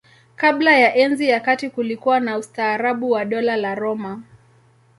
Kabla ya Enzi ya Kati kulikuwa na ustaarabu wa Dola la Roma.